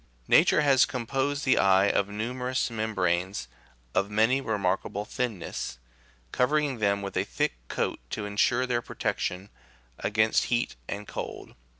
Nature has composed the eye of numerous mem branes of 'remarkable thinness, covering them with a thick coat to ensure their protection against heat and cold.